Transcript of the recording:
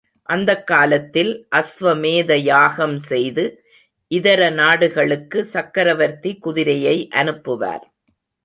அந்தக் காலத்தில், அஸ்வமேத யாகம் செய்து, இதர நாடுகளுக்கு, சக்கரவர்த்தி குதிரையை அனுப்புவார்.